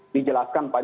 dijelaskan pada tv